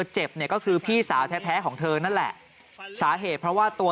เจ็บเนี่ยก็คือพี่สาวแท้ของเธอนั่นแหละสาเหตุเพราะว่าตัว